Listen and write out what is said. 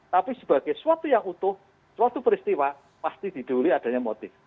tapi sebagai suatu yang utuh suatu peristiwa pasti diduli adanya motif